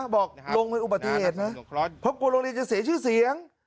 บอกลุงเป็นอุบัติเหตุนะเพราะกลัวโรงเรียนจะเสียชื่อเสียง